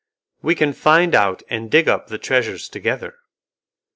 We can find out and dig up the treasures together."